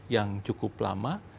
yang cukup lama